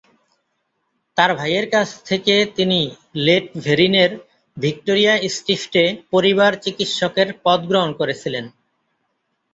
তার ভাইয়ের কাছ থেকে তিনি লেট-ভেরিনের ভিক্টোরিয়া-স্টিফটে পরিবার চিকিৎসকের পদ গ্রহণ করেছিলেন।